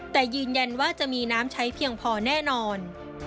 แต่ยืนยันว่าจะมีน้ำใช้เพียงพอแน่นอน